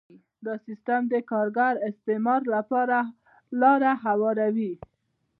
دا سیستم د کارګر د استثمار لپاره لاره هواروي